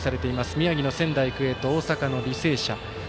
宮城の仙台育英と大阪の履正社。